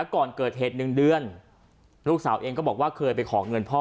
ก่อนเกิดเหตุ๑เดือนลูกสาวเองก็บอกว่าเคยไปขอเงินพ่อ